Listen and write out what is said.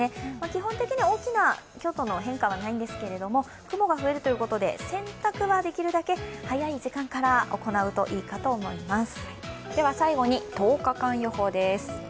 基本的に大きな今日との変化はないんですけど雲が増えるということで洗濯はできるだけ早い時間から行うといいと思います。